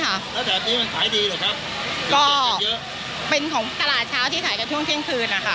ใช่ค่ะแล้วแบบนี้มันขายดีหรอครับก็เป็นของตลาดเช้าที่ขายกันช่วงเช่นคืนอ่ะค่ะ